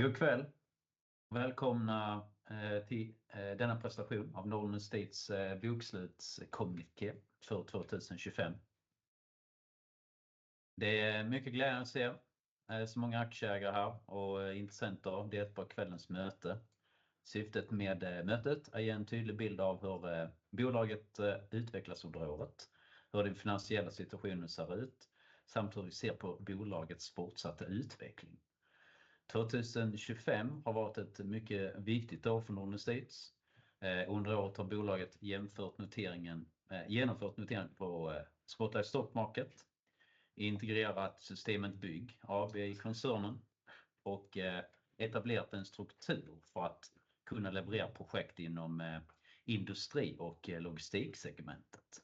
God kväll och välkomna till denna presentation av Norden Estates bokslutskommuniké för 2025. Det är mycket glädjande att se så många aktieägare här och intressenter. Det är ett par till kvällens möte. Syftet med mötet är att ge en tydlig bild av hur bolaget utvecklas under året, hur den finansiella situationen ser ut samt hur vi ser på bolagets fortsatta utveckling. 2025 har varit ett mycket viktigt år för Norden Estates. Under året har bolaget genomfört noteringen på Spotlight Stock Market, integrerat Zustainment Bygg AB i koncernen och etablerat en struktur för att kunna leverera projekt inom industri- och logistiksegmentet.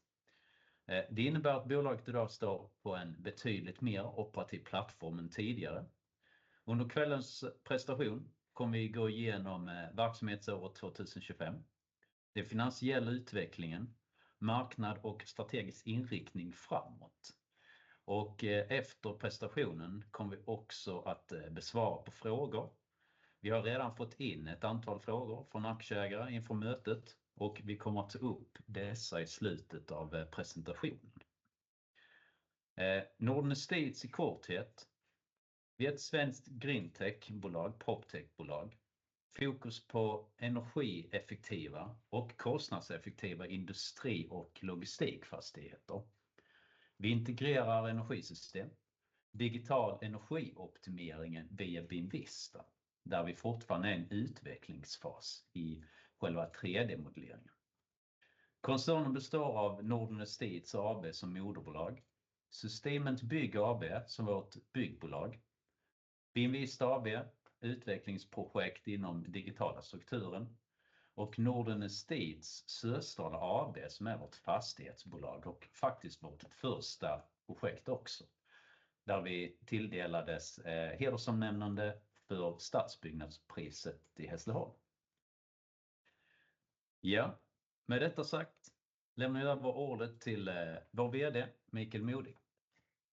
Det innebär att bolaget i dag står på en betydligt mer operativ plattform än tidigare. Under kvällens presentation kommer vi gå igenom verksamhetsåret 2025, den finansiella utvecklingen, marknad och strategisk inriktning framåt. Efter presentationen kommer vi också att besvara frågor. Vi har redan fått in ett antal frågor från aktieägare inför mötet och vi kommer att ta upp dessa i slutet av presentationen. Norden Estates i korthet. Vi är ett svenskt green tech-bolag, proptech-bolag. Fokus på energieffektiva och kostnadseffektiva industri- och logistikfastigheter. Vi integrerar energisystem, digital energioptimeringen via BIMvista, där vi fortfarande är i en utvecklingsfas i själva 3D-modelleringen. Koncernen består av Norden Estates AB som moderbolag, Zustainment Bygg AB som vårt byggbolag, BIMvista AB, utvecklingsprojekt inom den digitala strukturen och Norden Estates Sösdala AB som är vårt fastighetsbolag och faktiskt vårt första projekt också, där vi tilldelades hedersomnämnande för stadsbyggnadspriset i Hässleholm. Ja, med detta sagt lämnar jag då ordet till vår VD, Mikael Modig.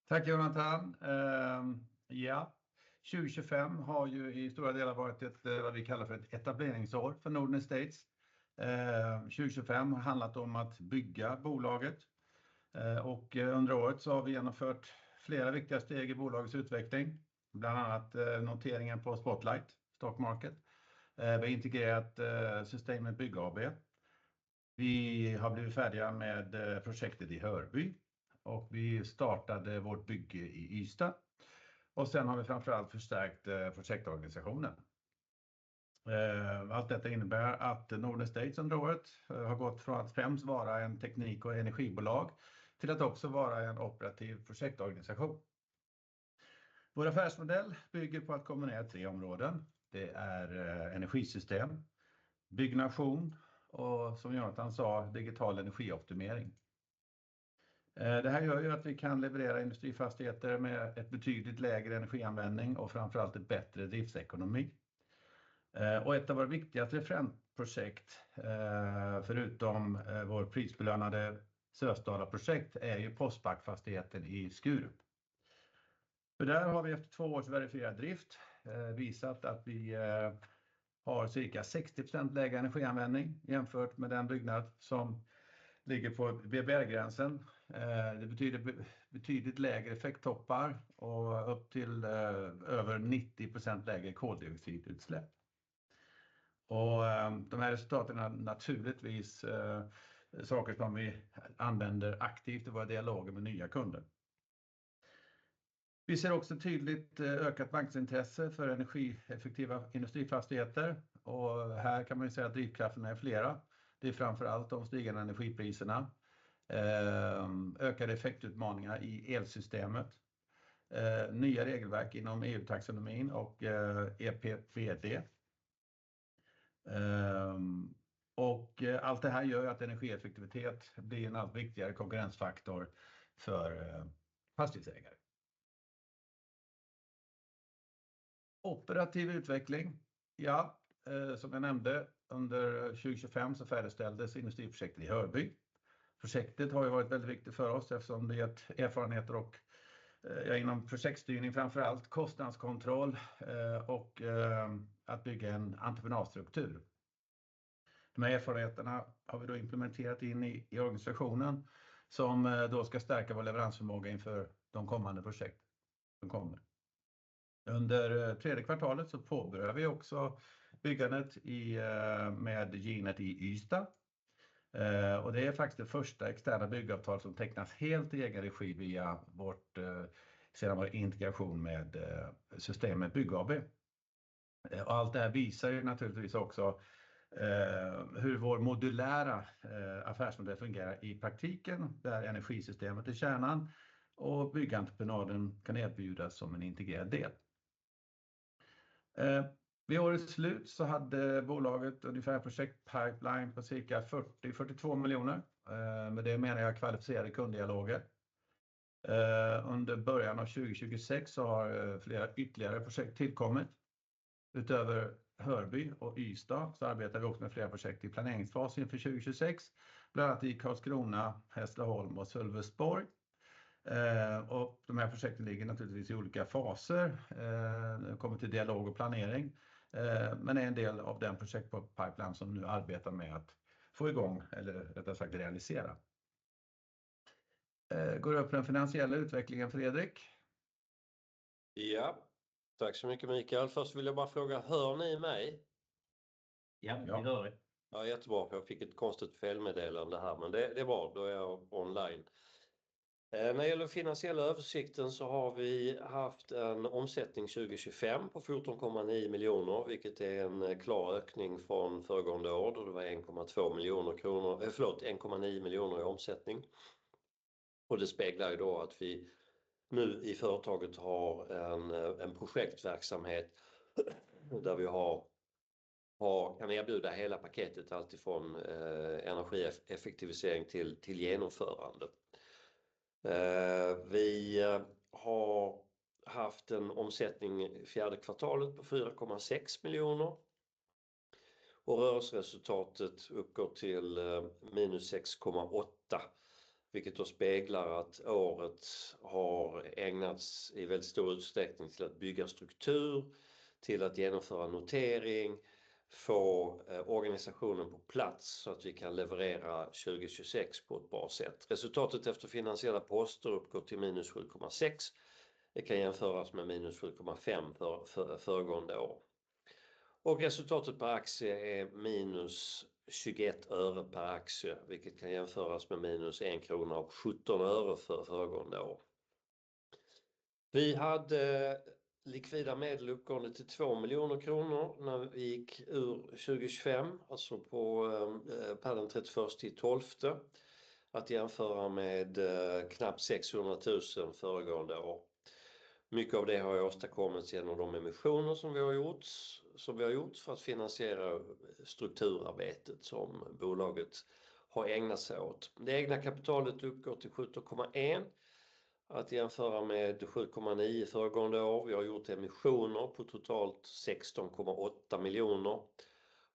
Tack Jonatan. Ja, 2025 har ju i stora delar varit ett vad vi kallar för ett etableringsår för Norden Estates. 2025 har handlat om att bygga bolaget. Under året så har vi genomfört flera viktiga steg i bolagets utveckling, bland annat noteringen på Spotlight Stock Market. Vi har integrerat Zustainment Bygg AB. Vi har blivit färdiga med projektet i Hörby och vi startade vårt bygge i Ystad. Sen har vi framför allt förstärkt projektorganisationen. Allt detta innebär att Norden Estates under året har gått från att främst vara en teknik- och energibolag till att också vara en operativ projektorganisation. Vår affärsmodell bygger på att kombinera tre områden. Det är energisystem, byggnation och som Jonatan sa, digital energioptimering. Det här gör ju att vi kan leverera industrifastigheter med ett betydligt lägre energianvändning och framför allt en bättre driftsekonomi. Ett av våra viktigaste referensprojekt, förutom vårt prisbelönade Sösdala-projekt är ju PostNord-fastigheten i Skurup. För där har vi efter två års verifierad drift visat att vi har cirka 60% lägre energianvändning jämfört med den byggnad som ligger på BBR-gränsen. Det betyder betydligt lägre effekttoppar och upp till över 90% lägre koldioxidutsläpp. De här resultaten är naturligtvis saker som vi använder aktivt i våra dialoger med nya kunder. Vi ser också tydligt ökat marknadsintresse för energieffektiva industrifastigheter och här kan man ju säga att drivkrafterna är flera. Det är framför allt de stigande energipriserna, ökade effektutmaningar i elsystemet, nya regelverk inom EU-taxonomin och EPBD. Allt det här gör att energieffektivitet blir en allt viktigare konkurrensfaktor för fastighetsägare. Operativ utveckling. Som jag nämnde under 2025 så färdigställdes industriförsöket i Hörby. Projektet har ju varit väldigt viktigt för oss eftersom det är erfarenheter och, ja, inom projektstyrning, framför allt kostnadskontroll, och att bygga en entreprenadstruktur. De här erfarenheterna har vi då implementerat in i organisationen som då ska stärka vår leveransförmåga inför de kommande projekt som kommer. Under tredje kvartalet så påbörjar vi också byggandet i, med G.NET i Ystad. Och det är faktiskt det första externa byggavtal som tecknas helt i egen regi via vårt, sedan vår integration med Zustainment Bygg AB. Allt det här visar ju naturligtvis också, hur vår modulära affärsmodell fungerar i praktiken, där energisystemet är kärnan och byggentreprenaden kan erbjudas som en integrerad del. Vid årets slut så hade bolaget ungefär en projektpipeline på cirka 42 miljoner SEK. Med det menar jag kvalificerade kunddialoger. Under början av 2026 har flera ytterligare projekt tillkommit. Utöver Hörby och Ystad så arbetar vi också med flera projekt i planeringsfasen inför 2026, bland annat i Karlskrona, Hässleholm och Sölvesborg. Och de här projekten ligger naturligtvis i olika faser, när det kommer till dialog och planering, men är en del av den projektpipeline som vi nu arbetar med att få igång eller rättare sagt realisera. Går du på den finansiella utvecklingen, Fredrik? Ja, tack så mycket, Mikael. Först vill jag bara fråga, hör ni mig? Ja, vi hör dig. Ja, jättebra, för jag fick ett konstigt felmeddelande här. Men det är bra, då är jag online. När det gäller den finansiella översikten så har vi haft en omsättning 2025 på SEK 14.9 miljoner, vilket är en klar ökning från föregående år. Det var SEK 1.9 miljoner i omsättning. Och det speglar ju då att vi nu i företaget har en projektverksamhet där vi kan erbjuda hela paketet, alltifrån energieffektivisering till genomförande. Vi har haft en omsättning i fjärde kvartalet på SEK 4.6 miljoner och rörelseresultatet uppgår till SEK -6.8 miljoner, vilket då speglar att året har ägnats i väldigt stor utsträckning till att bygga struktur, till att genomföra notering, få organisationen på plats så att vi kan leverera 2026 på ett bra sätt. Resultatet efter finansiella poster uppgår till SEK -7.6 miljoner. Det kan jämföras med SEK -7.5 miljoner för föregående år. Resultatet per aktie är -SEK 0.21 per aktie, vilket kan jämföras med -SEK 1.17 för föregående år. Vi hade likvida medel uppgående till SEK 2 million när vi gick ur 2025, alltså per den 31/12. Att jämföra med knappt SEK 600,000 föregående år. Mycket av det har åstadkommits igenom de emissioner som vi har gjort, som vi har gjort för att finansiera strukturarbetet som bolaget har ägnat sig åt. Det egna kapitalet uppgår till SEK 17.1 million att jämföra med SEK 7.9 million föregående år. Vi har gjort emissioner på totalt SEK 16.8 million,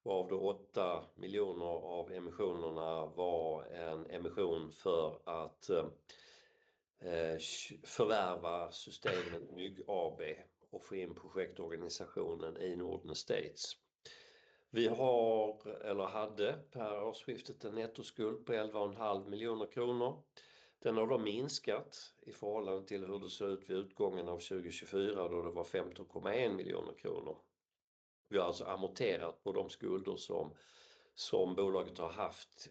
varav 8 million av emissionerna var en emission för att förvärva Zustainment Bygg AB och få in projektorganisationen i Norden Estates. Vi har eller hade per årsskiftet en nettoskuld på SEK 11.5 million. Den har då minskat i förhållande till hur det såg ut vid utgången av 2024 då det var SEK 15.1 million. Vi har alltså amorterat på de skulder som bolaget har haft,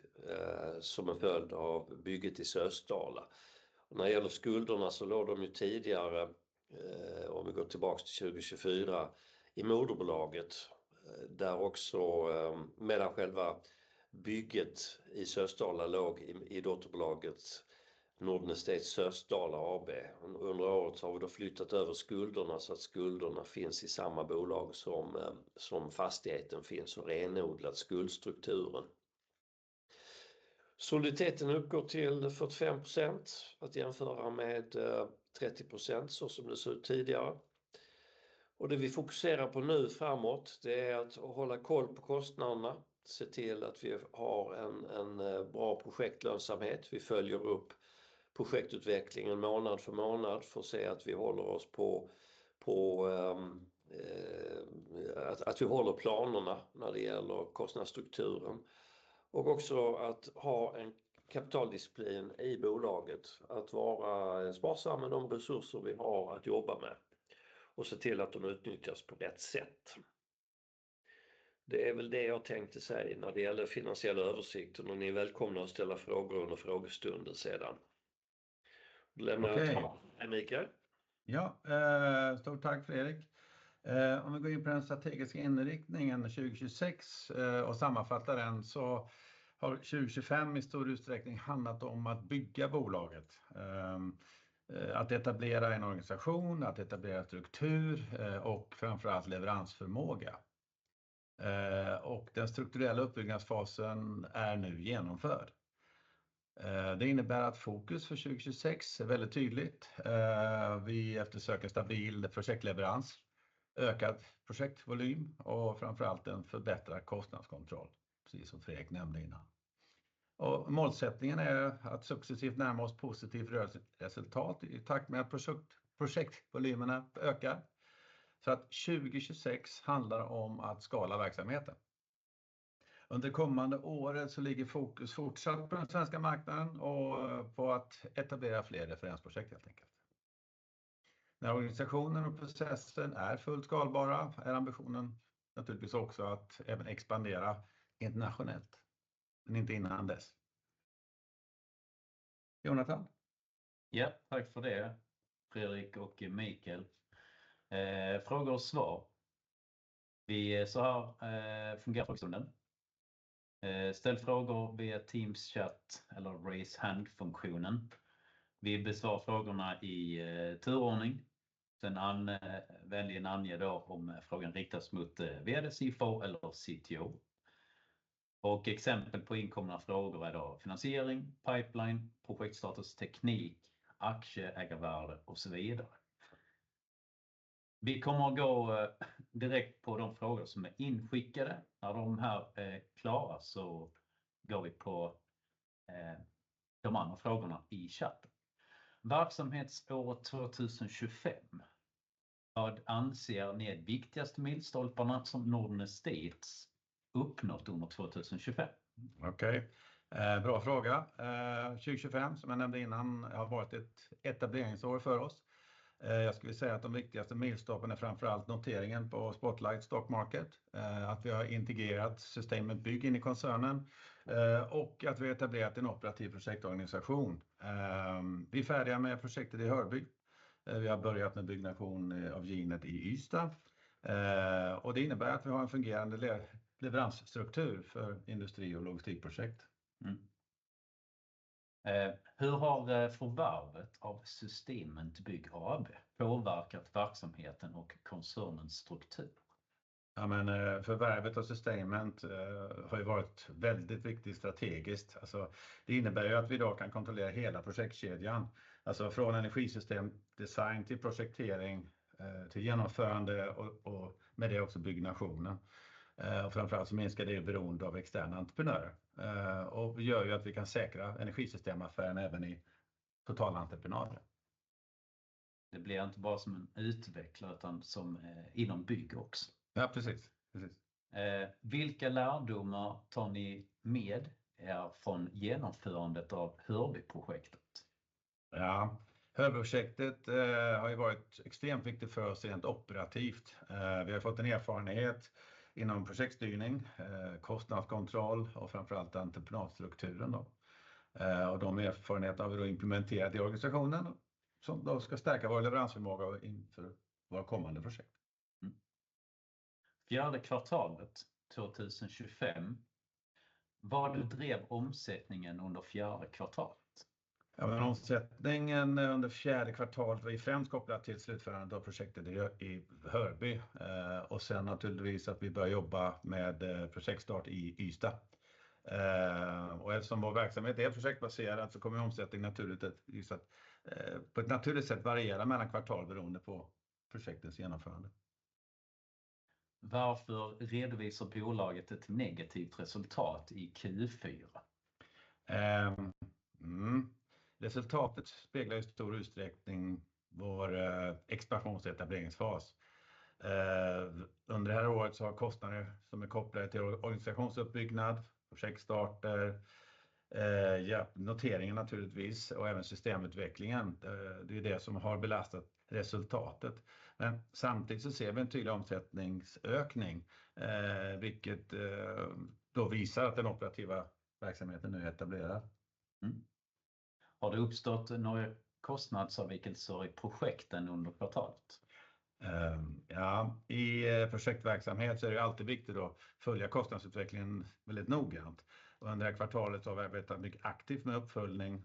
som en följd av bygget i Sösdala. När det gäller skulderna så låg de ju tidigare, om vi går tillbaka till 2024, i moderbolaget. Där också, medan själva bygget i Sösdala låg i dotterbolaget Norden Estates Sösdala AB. Under året har vi då flyttat över skulderna så att skulderna finns i samma bolag som fastigheten finns och renodlat skuldstrukturen. Soliditeten uppgår till 45% att jämföra med 30% så som det såg ut tidigare. Det vi fokuserar på nu framåt, det är att hålla koll på kostnaderna, se till att vi har en bra projektlönsamhet. Vi följer upp projektutvecklingen månad för månad för att se att vi håller oss på. Att vi håller planerna när det gäller kostnadsstrukturen. Också att ha en kapitaldisciplin i bolaget. Att vara sparsam med de resurser vi har att jobba med och se till att de utnyttjas på rätt sätt. Det är väl det jag tänkte säga när det gäller finansiella översikten och ni är välkomna att ställa frågor under frågestunden sedan. Lämnar jag till Mikael. Ja, stort tack, Fredrik. Om vi går in på den strategiska inriktningen 2026 och sammanfattar den så har 2025 i stor utsträckning handlat om att bygga bolaget. Att etablera en organisation, att etablera struktur och framför allt leveransförmåga. Den strukturella uppbyggnadsfasen är nu genomförd. Det innebär att fokus för 2026 är väldigt tydligt. Vi eftersöker stabil projektleverans, ökad projektvolym och framför allt en förbättrad kostnadskontroll, precis som Fredrik nämnde innan. Målsättningen är att successivt närma oss positivt rörelseresultat i takt med att projektvolymerna ökar. 2026 handlar om att skala verksamheten. Under kommande året så ligger fokus fortsatt på den svenska marknaden och på att etablera fler referensprojekt helt enkelt. När organisationen och processen är fullt skalbara är ambitionen naturligtvis också att även expandera internationellt. Men inte innan dess. Jonatan? Ja, tack för det, Fredrik och Mikael. Frågor och svar. Så här fungerar frågestunden. Ställ frågor via Teams-chat eller raise hand-funktionen. Vi besvarar frågorna i turordning. Vänligen ange då om frågan riktas mot VD, CFO eller CTO. Exempel på inkomna frågor är då finansiering, pipeline, projektstatus, teknik, aktieägarvärde och så vidare. Vi kommer att gå direkt på de frågor som är inskickade. När de här är klara så går vi på de andra frågorna i chatten. Verksamhetsår 2025. Vad anser ni är viktigaste milstolparna som Norden Estates uppnått under 2025? Okej, bra fråga. 2025, som jag nämnde innan, har varit ett etableringsår för oss. Jag skulle säga att de viktigaste milstolparna är framför allt noteringen på Spotlight Stock Market. Att vi har integrerat Zustainment Bygg in i koncernen, och att vi har etablerat en operativ projektorganisation. Vi är färdiga med projektet i Hörby. Vi har börjat med byggnation av G.NET i Ystad. Det innebär att vi har en fungerande leveransstruktur för industri- och logistikprojekt. Hur har förvärvet av Zustainment Bygg AB påverkat verksamheten och koncernens struktur? Ja men förvärvet av Zustainment har ju varit väldigt viktigt strategiskt. Alltså, det innebär ju att vi idag kan kontrollera hela projektkedjan. Alltså från energisystem, design till projektering, till genomförande och med det också byggnationen. Och framför allt så minskar det beroende av externa entreprenörer. Och gör ju att vi kan säkra energisystemaffären även i totalentreprenader. Det blir inte bara som en utvecklare utan som inom bygg också. Ja, precis. Precis. Vilka lärdomar tar ni med er från genomförandet av Hörby-projektet? Ja, Hörby-projektet har ju varit extremt viktigt för oss rent operativt. Vi har fått en erfarenhet inom projektstyrning, kostnadskontroll och framför allt entreprenadstrukturen då. De erfarenheterna har vi då implementerat i organisationen som då ska stärka vår leveransförmåga inför våra kommande projekt. Fjärde kvartalet 2025. Vad drev omsättningen under fjärde kvartalet? Omsättningen under fjärde kvartalet var i främst kopplat till slutförande av projektet i Hörby. Naturligtvis att vi börjar jobba med projektstart i Ystad. Eftersom vår verksamhet är helt projektbaserad så kommer omsättningen naturligt att, på ett naturligt sätt variera mellan kvartal beroende på projektens genomförande. Varför redovisar bolaget ett negativt resultat i Q4? Resultatet speglar i stor utsträckning vår expansionsetableringsfas. Under det här året så har kostnader som är kopplade till organisationsuppbyggnad, projektstarter, noteringen naturligtvis och även systemutvecklingen. Det är ju det som har belastat resultatet. Samtidigt så ser vi en tydlig omsättningsökning, vilket då visar att den operativa verksamheten nu är etablerad. Har det uppstått några kostnadsavvikelser i projekten under kvartalet? I projektverksamhet så är det alltid viktigt att följa kostnadsutvecklingen väldigt noggrant. Under det här kvartalet har vi arbetat mycket aktivt med uppföljning,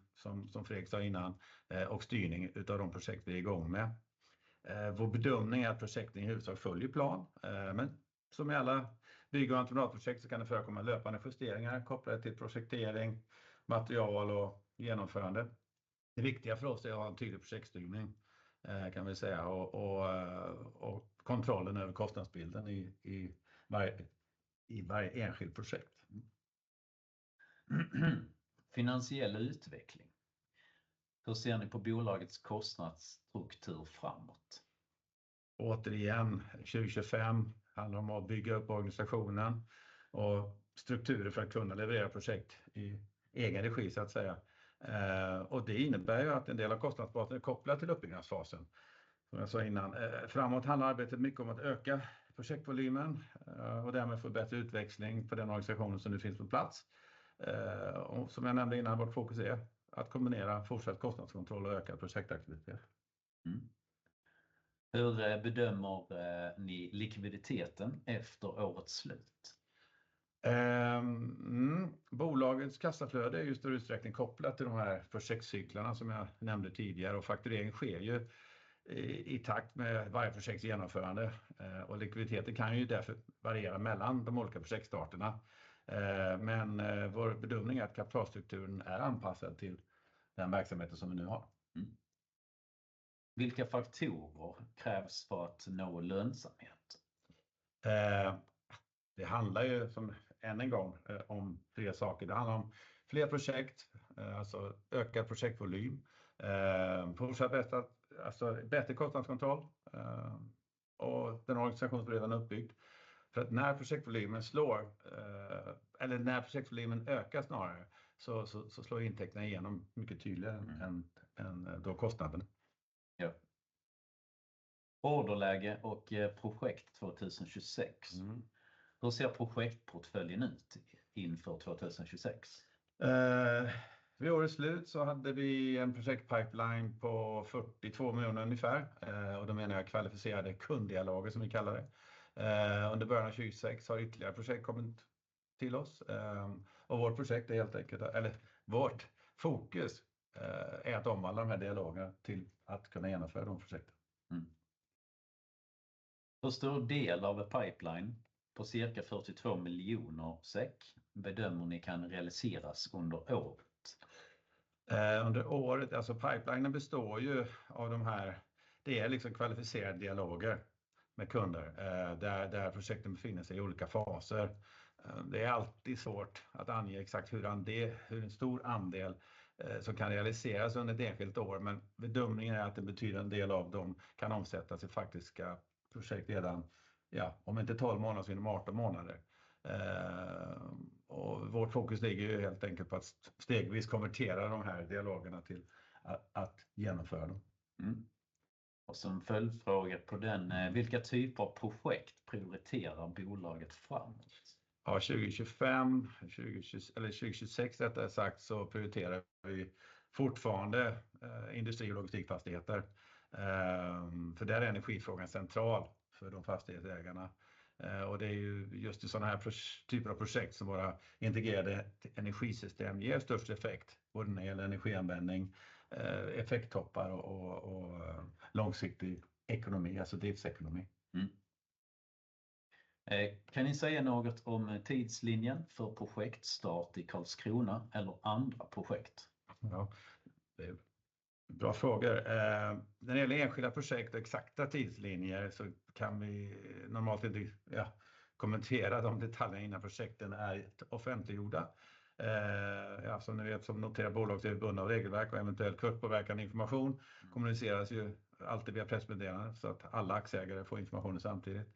som Fredrik sa innan, och styrning utav de projekt vi är i gång med. Vår bedömning är att projekten i huvudsak följer plan. Som i alla bygg- och entreprenadprojekt så kan det förekomma löpande justeringar kopplade till projektering, material och genomförande. Det viktiga för oss är att ha en tydlig projektstyrning, kan vi säga. Kontrollen över kostnadsbilden i varje enskild projekt. Finansiell utveckling. Hur ser ni på bolagets kostnadsstruktur framåt? Återigen, 2025 handlar om att bygga upp organisationen och strukturer för att kunna leverera projekt i egen regi så att säga. Det innebär ju att en del av kostnaderna är kopplat till uppbyggnadsfasen. Som jag sa innan, framåt handlar arbetet mycket om att öka projektvolymen, och därmed få bättre utväxling på den organisationen som nu finns på plats. Som jag nämnde innan, vårt fokus är att kombinera fortsatt kostnadskontroll och ökad projektaktivitet. Hur bedömer ni likviditeten efter årets slut? Bolagets kassaflöde är i stor utsträckning kopplat till de här projektcyklarna som jag nämnde tidigare och faktureringen sker ju i takt med varje projekts genomförande. Och likviditeten kan ju därför variera mellan de olika projektstarterna. Men vår bedömning är att kapitalstrukturen är anpassad till den verksamheten som vi nu har. Vilka faktorer krävs för att nå lönsamhet? Det handlar ju än en gång om tre saker. Det handlar om fler projekt, alltså ökad projektvolym, fortsatt bättre kostnadskontroll, och den organisation som redan är uppbyggd. För att när projektvolymen ökar snarare, så slår intäkterna igenom mycket tydligare än då kostnaden. Ja. Orderläge och projekt 2026. Hur ser projektportföljen ut inför 2026? Vid årets slut så hade vi en projektpipeline på SEK 42 miljoner ungefär. Då menar jag kvalificerade kunddialoger som vi kallar det. Under början av 2026 har ytterligare projekt kommit till oss. Vårt projekt är helt enkelt, eller vårt fokus, är att omvandla de här dialogerna till att kunna genomföra de projekten. Hur stor del av ett pipeline på cirka 42 miljoner SEK bedömer ni kan realiseras under året? Under året, alltså pipelinen består ju av de här, det är liksom kvalificerade dialoger med kunder. Där projekten befinner sig i olika faser. Det är alltid svårt att ange exakt hur en stor andel som kan realiseras under ett enskilt år. Men bedömningen är att en betydande del av dem kan omsättas i faktiska projekt redan, ja om inte 12 månader så inom 18 månader. Och vårt fokus ligger ju helt enkelt på att stegvis konvertera de här dialogerna till att genomföra dem. Som följdfråga på den, vilka typer av projekt prioriterar bolaget framåt? Ja, 2025 eller 2026 rättare sagt, så prioriterar vi fortfarande industri- och logistikfastigheter. För där är energifrågan central för de fastighetsägarna. Och det är ju just i sådana här typer av projekt som våra integrerade energisystem ger störst effekt. Både när det gäller energianvändning, effekttoppar och långsiktig ekonomi, alltså driftsekonomi. Kan ni säga något om tidslinjen för projektstart i Karlskrona eller andra projekt? Ja, det är bra frågor. När det gäller enskilda projekt och exakta tidslinjer så kan vi normalt inte, ja, kommentera de detaljerna innan projekten är offentliggjorda. Ja som ni vet som noterat bolag så är vi bundna av regelverk och eventuell kurspåverkande information kommuniceras ju alltid via pressmeddelande så att alla aktieägare får informationen samtidigt.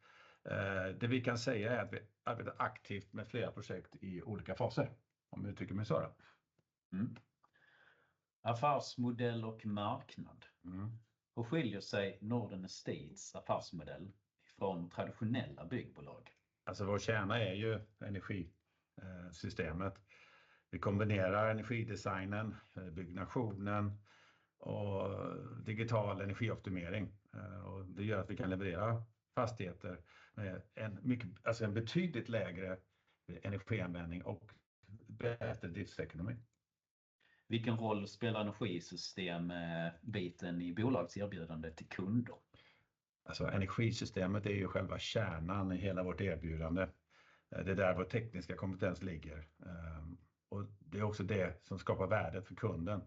Det vi kan säga är att vi arbetar aktivt med flera projekt i olika faser. Om jag uttrycker mig så då. Affärsmodell och marknad. Mm. Hur skiljer sig Norden Estates affärsmodell från traditionella byggbolag? Vår kärna är ju energisystemet. Vi kombinerar energidesignen, byggnationen och digital energioptimering. Och det gör att vi kan leverera fastigheter med en mycket, alltså en betydligt lägre energianvändning och bättre driftsekonomi. Vilken roll spelar energisystembiten i bolagets erbjudande till kunder? Alltså energisystemet är ju själva kärnan i hela vårt erbjudande. Det är där vår tekniska kompetens ligger. Och det är också det som skapar värdet för kunden.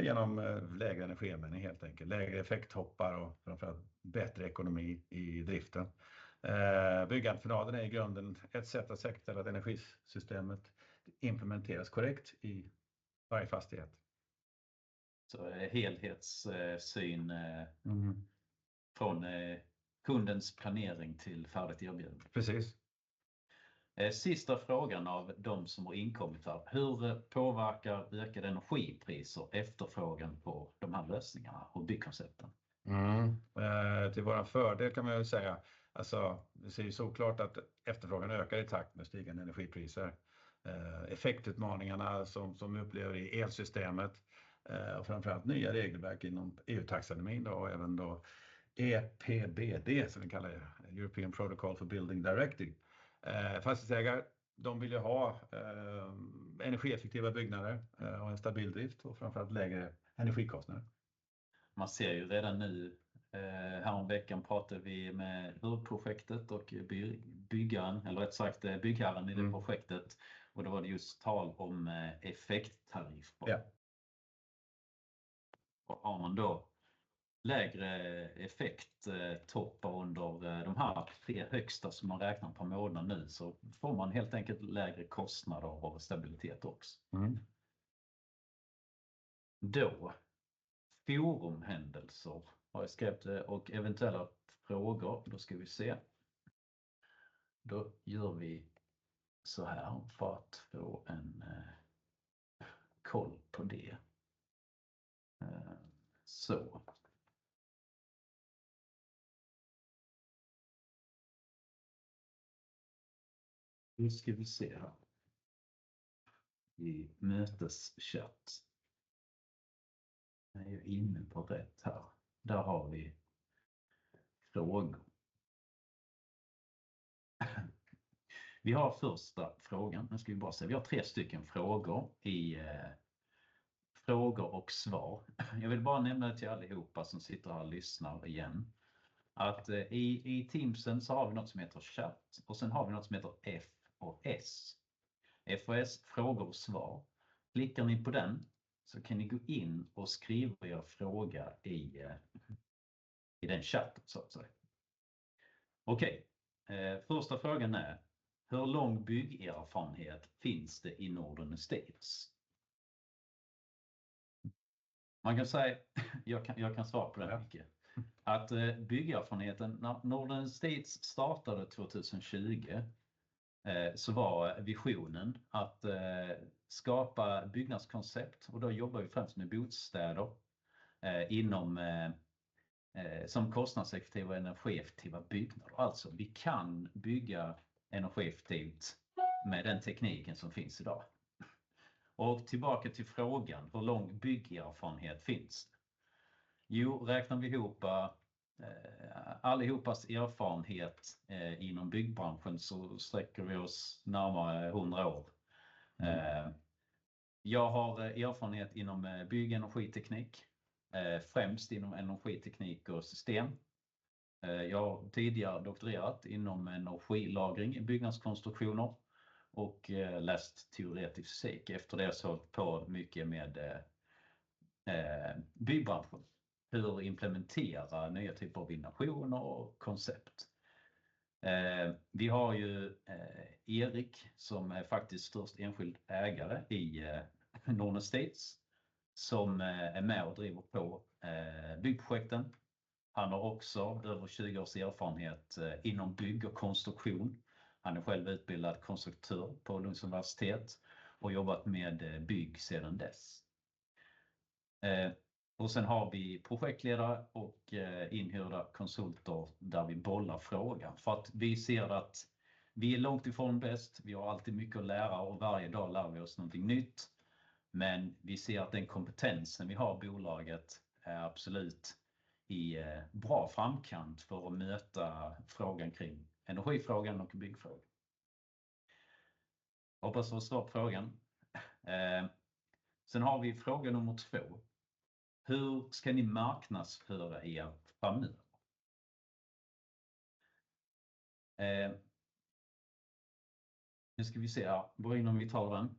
Genom lägre energianvändning helt enkelt, lägre effekttoppar och framför allt bättre ekonomi i driften. Byggentreprenaden är i grunden ett sätt att säkerställa att energisystemet implementeras korrekt i varje fastighet. Så helhetssyn- Mm ...från kundens planering till färdigt erbjudande. Precis. Sista frågan av de som har inkommit här: Hur påverkar ökade energipriser efterfrågan på de här lösningarna och byggkoncepten? Till våran fördel kan man väl säga. Alltså, vi ser ju solklart att efterfrågan ökar i takt med stigande energipriser. Effektutmaningarna som vi upplever i elsystemet, och framför allt nya regelverk inom EU-taxonomin i min dag och även då EPBD som vi kallar det, Energy Performance of Buildings Directive. Fastighetsägare, de vill ju ha, energieffektiva byggnader och en stabil drift och framför allt lägre energikostnader. Man ser ju redan nu, häromveckan pratade vi med LUR-projektet och byggherren i det projektet. Då var det just tal om effekttariffer. Ja. Har man då lägre effekttoppar under de här tre högsta som man räknar på i månaden nu, så får man helt enkelt lägre kostnader och stabilitet också. Mm. Forumhändelser har jag skrivit. Och eventuella frågor. Ska vi se. Gör vi så här för att få en koll på det. Nu ska vi se här. I möteschat. Jag är inne på rätt här. Där har vi frågor. Vi har första frågan. Nu ska vi bara se. Vi har tre stycken frågor i frågor och svar. Jag vill bara nämna till allihop som sitter och lyssnar igen att i Teamsen så har vi något som heter chat och sen har vi något som heter F och S. F och S, frågor och svar. Klickar ni på den så kan ni gå in och skriva er fråga i den chatten så att säga. Okej, första frågan är: Hur lång byggerfarenhet finns det i Norden Estates? Man kan säga, jag kan svara på den, Micke. Om bygg-erfarenheten, när Norden Estates startade 2020, så var visionen att skapa byggnadskoncept. Då jobbar vi främst med bostäder, inom som kostnadseffektiva och energieffektiva byggnader. Alltså, vi kan bygga energieffektivt med den tekniken som finns i dag. Tillbaka till frågan, hur lång bygg-erfarenhet finns? Jo, räknar vi ihop allihopas erfarenhet inom byggbranschen så sträcker vi oss närmare hundra år. Jag har erfarenhet inom bygg och energiteknik, främst inom energiteknik och system. Jag har tidigare doktorerat inom energilagring i byggnadskonstruktioner och läst teoretisk fysik. Efter det så har jag hållit på mycket med byggbranschen. Hur implementerar nya typer av innovationer och koncept. Vi har ju Erik som är faktiskt störst enskild ägare i Norden Estates som är med och driver på byggprojekten. Han har också över 20 års erfarenhet inom bygg och konstruktion. Han är själv utbildad konstruktör på Lunds Universitet och jobbat med bygg sedan dess. Sen har vi projektledare och inhyrda konsulter där vi bollar frågan. Vi ser att vi är långt ifrån bäst. Vi har alltid mycket att lära och varje dag lär vi oss någonting nytt. Vi ser att den kompetensen vi har i bolaget är absolut i bra framkant för att möta frågan kring energifrågan och byggfrågan. Hoppas jag har svarat på frågan. Sen har vi fråga nummer två. Hur ska ni marknadsföra er framöver? Nu ska vi se. Börja med om vi tar den.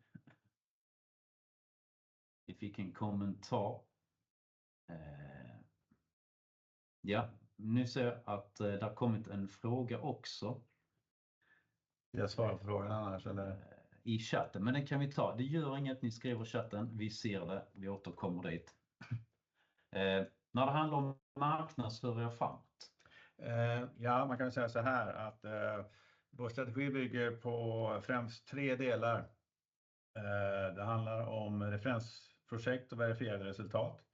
Vi fick en kommentar. Ja, nu ser jag att det har kommit en fråga också. Ska jag svara på frågan annars eller? I chatten, men den kan vi ta. Det gör inget, ni skriver i chatten. Vi ser det, vi återkommer dit. När det handlar om marknadsföring framåt. Ja, man kan väl säga såhär att vår strategi bygger på främst tre delar. Det handlar om referensprojekt och verifierade resultat.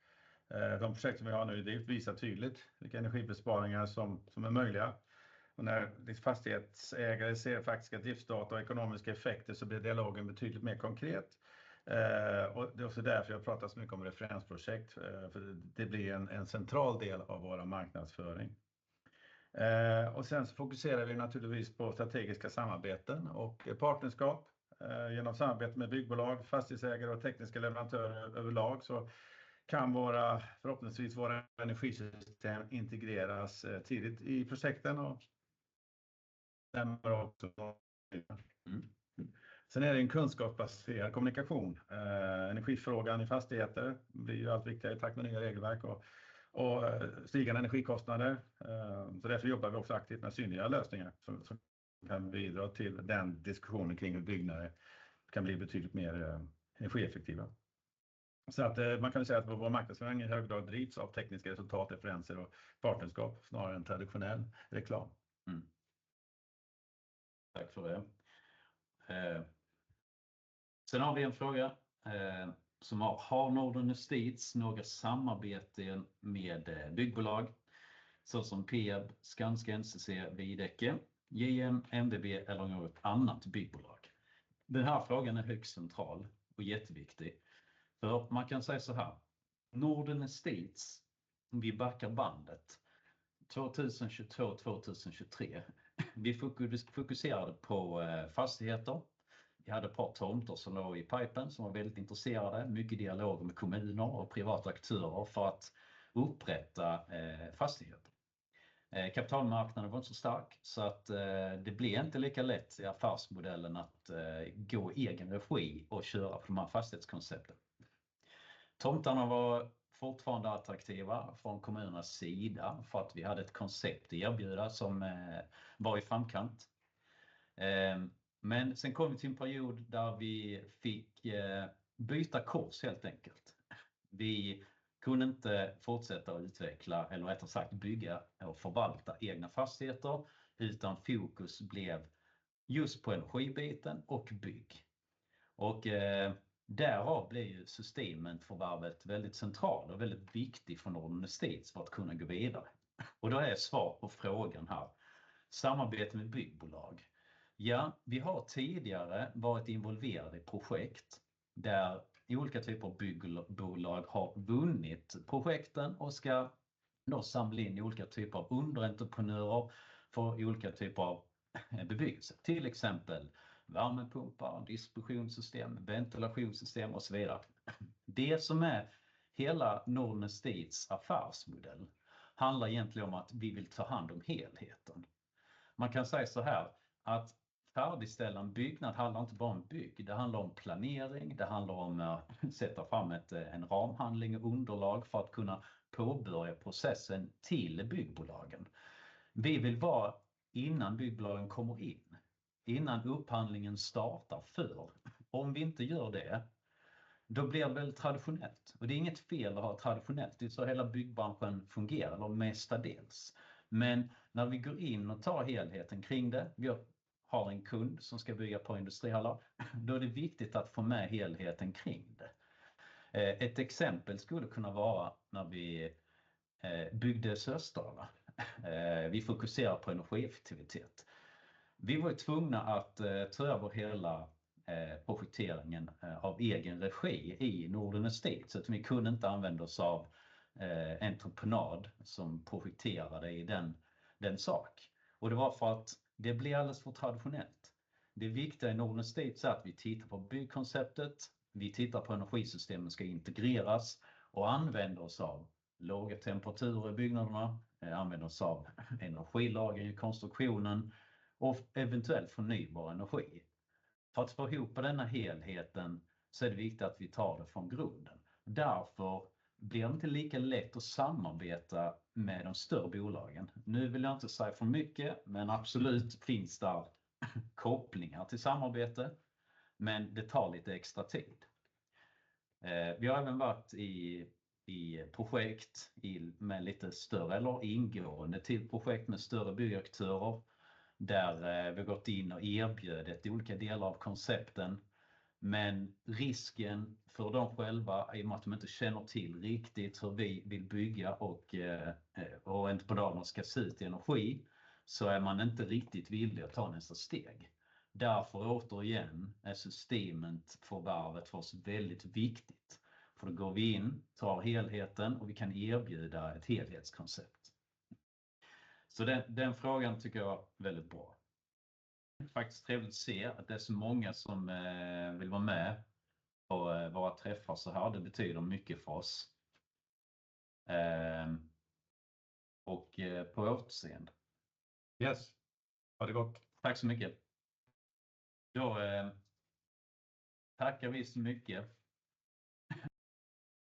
De projekt som vi har nu i drift visar tydligt vilka energibesparingar som är möjliga. När fastighetsägare ser faktiska driftsdata och ekonomiska effekter så blir dialogen betydligt mer konkret. Det är också därför jag pratar mycket om referensprojekt. För det blir en central del av vår marknadsföring. Så fokuserar vi naturligtvis på strategiska samarbeten och partnerskap. Genom samarbete med byggbolag, fastighetsägare och tekniska leverantörer överlag så kan våra förhoppningsvis energisystem integreras tidigt i projekten och. Det är en kunskapsbaserad kommunikation. Energifrågan i fastigheter blir ju allt viktigare i takt med nya regelverk och stigande energikostnader. Därför jobbar vi också aktivt med synliga lösningar som kan bidra till den diskussionen kring hur byggnader kan bli betydligt mer energieffektiva. Så att man kan väl säga att vår marknadsföring i hög grad drivs av tekniska resultat, referenser och partnerskap snarare än traditionell reklam. Tack för det. Sen har vi en fråga som var: Har Norden Estates några samarbeten med byggbolag så som Peab, Skanska, NCC, Veidekke, JM, NDB eller något annat byggbolag? Den här frågan är högst central och jätteviktig. För man kan säga såhär, Norden Estates, om vi backar bandet 2022, 2023. Vi fokuserade på fastigheter. Vi hade ett par tomter som låg i pipen som var väldigt intressanta, mycket dialog med kommuner och privata aktörer för att upprätta fastigheter. Kapitalmarknaden var inte så stark så att det blev inte lika lätt i affärsmodellen att gå i egen regi och köra på de här fastighetskoncepten. Tomtarna var fortfarande attraktiva från kommunernas sida för att vi hade ett koncept att erbjuda som var i framkant. Men sen kom vi till en period där vi fick byta kurs helt enkelt. Vi kunde inte fortsätta utveckla eller rättare sagt bygga och förvalta egna fastigheter, utan fokus blev just på energibiten och bygg. Därav blir ju Systemed-förvärvet väldigt central och väldigt viktig för Norden Estates för att kunna gå vidare. Då är svar på frågan här. Samarbete med byggbolag. Ja, vi har tidigare varit involverade i projekt där olika typer av byggbolag har vunnit projekten och ska då samla in olika typer av underentreprenörer för olika typer av bebyggelse. Till exempel värmepumpar, distributionssystem, ventilationssystem och så vidare. Det som är hela Norden Estates affärsmodell handlar egentligen om att vi vill ta hand om helheten. Man kan säga såhär att färdigställa en byggnad handlar inte bara om ett bygg. Det handlar om planering, det handlar om att sätta fram ett, en ramhandling och underlag för att kunna påbörja processen till byggbolagen. Vi vill vara innan byggbolagen kommer in, innan upphandlingen startar, före. Om vi inte gör det, då blir det väl traditionellt. Det är inget fel att ha traditionellt. Det är så hela byggbranschen fungerar eller mestadels. När vi går in och tar helheten kring det. Vi har en kund som ska bygga ett par industrihallar. Då är det viktigt att få med helheten kring det. Ett exempel skulle kunna vara när vi byggde Sösdala. Vi fokuserar på energieffektivitet. Vi var tvungna att ta över hela projekteringen i egen regi i Norden Estates. Så vi kunde inte använda oss av entreprenad som projekterade i den sak. Det var för att det blir alldeles för traditionellt. Det viktiga i Norden Estates är att vi tittar på byggkonceptet, vi tittar på energisystemen ska integreras och använder oss av låga temperaturer i byggnaderna, använder oss av energilagring i konstruktionen och eventuell förnybar energi. För att få ihop denna helheten så är det viktigt att vi tar det från grunden. Därför blir det inte lika lätt att samarbeta med de större bolagen. Nu vill jag inte säga för mycket, men absolut finns där kopplingar till samarbete, men det tar lite extra tid. Vi har även varit i projekt med lite större eller ingående till projekt med större byggaktörer, där vi gått in och erbjöd efter olika delar av koncepten. Men risken för dem själva i och med att de inte känner till riktigt hur vi vill bygga och entreprenaden ska se ut i energi, så är man inte riktigt villig att ta nästa steg. Därför återigen är Systemed-förvärvet för oss väldigt viktigt. För då går vi in, tar helheten och vi kan erbjuda ett helhetskoncept. Den frågan tycker jag väldigt bra. Faktiskt trevligt att se att det är så många som vill vara med på våra träffar såhär. Det betyder mycket för oss. På återseende. Yes, ha det gott. Tack så mycket. Då tackar vi så mycket.